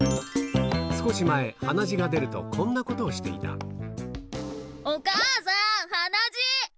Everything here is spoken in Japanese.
少し前、鼻血が出ると、こんなこお母さん、鼻血。